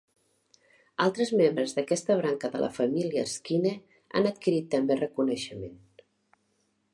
Altres membres d'aquesta branca de la família Erskine han adquirit també reconeixement.